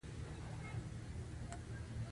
څېره به یې سره توی شوه، له دوی څخه رخصت شوم.